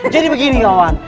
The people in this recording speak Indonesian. jadi begini kawan